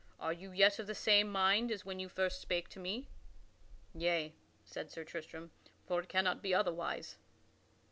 Are you yet of the same mind as when you first spake to me?" "Yea," said Sir Tristram, "for it cannot be otherwise."